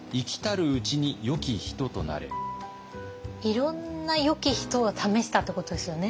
いろんな「よき人」を試したってことですよね。